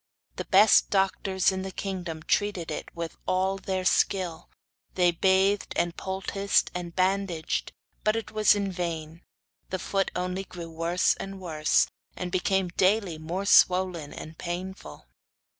The best doctors in the kingdom treated it with all their skill; they bathed, and poulticed, and bandaged, but it was in vain. The foot only grew worse and worse, and became daily more swollen and painful.